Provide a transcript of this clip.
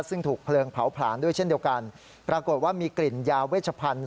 ซึ่งถูกเพลิงเผาผลาญด้วยเช่นเดียวกันปรากฏว่ามีกลิ่นยาเวชพันธุ์